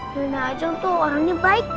nenek ajang tuh orangnya baik kan